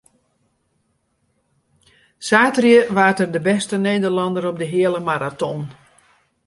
Saterdei waard er de bêste Nederlanner op de heale maraton.